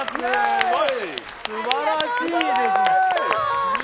すごい、すばらしいですね。